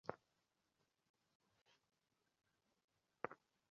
কাজেই দেখা যাইতেছে, এ মতে বেদে শব্দরাশির উপর বিশেষ প্রাধান্য দেওয়া হইয়াছে।